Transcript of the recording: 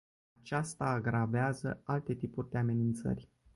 Aceasta agravează alte tipuri de amenințări.